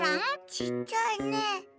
ちっちゃいね。